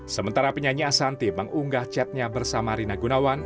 sementara penyanyi asanti mengunggah chatnya bersama rina gunawan